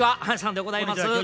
阪さんでございます。